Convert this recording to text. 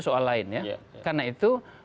soal lain ya karena itu